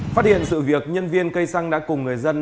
phát hiện sự việc nhân viên cây xăng đã cùng người dân